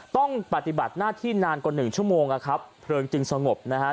ต้องปฏิบัติหน้าที่นานกว่า๑ชั่วโมงเพลิงจึงสงบนะฮะ